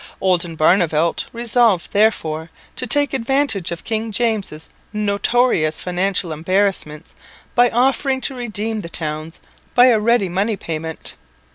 Oldenbarneveldt resolved therefore to take advantage of King James' notorious financial embarrassments by offering to redeem the towns by a ready money payment.